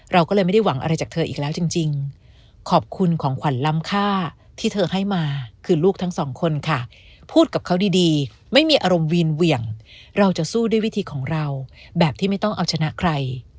เราจะสู้ด้วยวิธีของเราแบบที่ไม่ต้องเอาชนะใคร